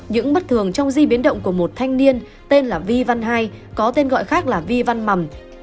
những bất thường trong di biến động của một thanh niên tên là vi văn hai có tên gọi khác là vi văn mầm